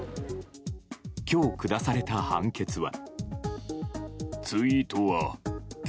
今日下された判決は。